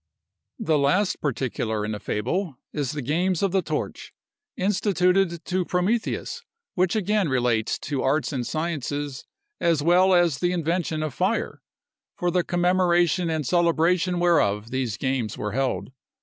The last particular in the fable is the Games of the Torch, instituted to Prometheus, which again relates to arts and sciences, as well as the invention of fire, for the commemoration and celebration whereof these games were held.